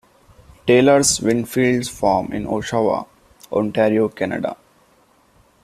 Taylor's Windfields Farm in Oshawa, Ontario, Canada.